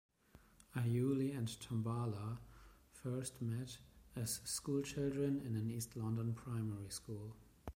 Ayuli and Tambala first met as school children in an East London primary school.